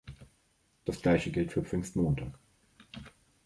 Das gleiche gilt für Pfingstmontag.